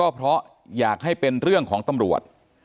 เพราะอยากให้เป็นเรื่องของตำรวจ